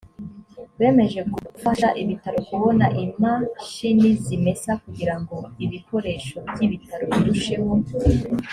bemeje gugfasha ibitaro kubona imashini zimesa kugira ngo ibikoresho by’ibitaro birusheho